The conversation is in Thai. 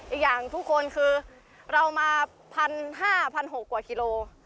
อีกอย่างทุกคนคือเรามาพันห้าพันหกกว่าคิโล